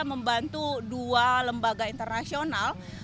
membantu dua lembaga internasional